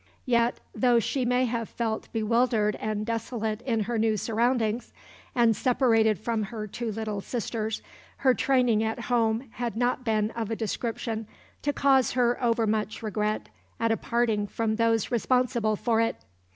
Yet, though she may have felt bewildered and desolate in her new surroundings and separated from her two little sisters, her training at home had not been of a description to cause her overmuch regret at a parting from those responsible for it.